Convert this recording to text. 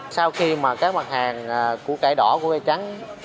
sau khi các mặt hàng củ cải đỏ củ cải trắng